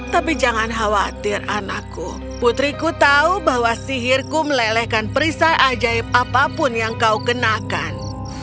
tapi jangan khawatir anakku putriku tahu bahwa sihirku melelehkan perisai ajaib apapun yang kau kenakan